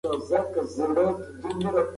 د لیکوالو تلینونه زموږ د ادبي هویت برخه ده.